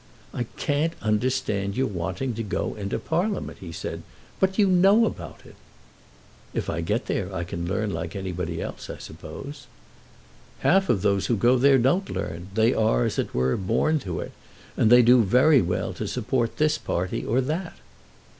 "I can't understand your wanting to go into Parliament," he said. "What do you know about it?" "If I get there, I can learn like anybody else, I suppose." "Half of those who go there don't learn. They are, as it were, born to it, and they do very well to support this party or that."